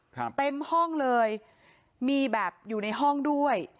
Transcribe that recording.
ครับเต็มห้องเลยมีแบบอยู่ในห้องด้วย